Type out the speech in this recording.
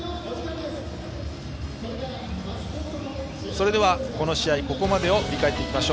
それでは、この試合ここまでを振り返ります。